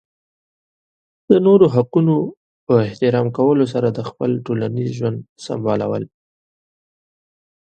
د نورو د حقونو په احترام کولو سره خپل ټولنیز ژوند سمبالول.